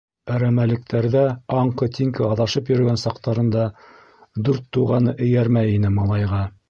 Әрәмәлектәрҙә аңҡы-тиңке аҙашып йөрөгән саҡтарында Дүрт Туғаны эйәрмәй ине малайға.